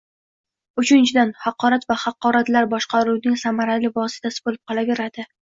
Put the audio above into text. Uchinchidan, haqorat va haqoratlar boshqaruvning samarali vositasi bo'lib qolaveradi